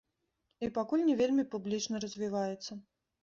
І пакуль не вельмі публічна развіваецца.